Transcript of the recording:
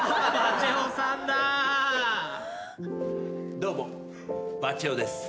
どうもバチェ男です。